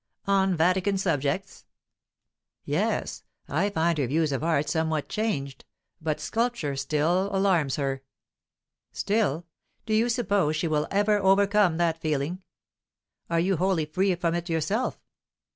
"On Vatican subjects?" "Yes. I find her views of art somewhat changed. But sculpture still alarms her." "Still? Do you suppose she will ever overcome that feeling? Are you wholly free from it yourself?